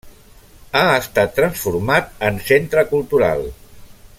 Ha estat transformat en centre cultural.